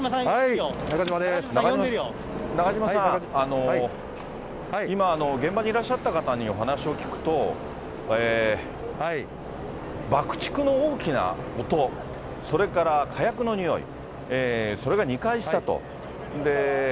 中島さん、今、現場にいらっしゃった方にお話を聞くと、爆竹の大きな音、それから火薬のにおい、それが２回したと。